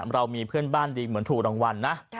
เรามีเพื่อนบ้านดีเหมือนถูกรางวัลนะ